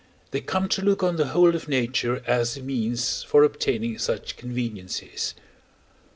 they come to look on the whole of nature as a means for obtaining such conveniences.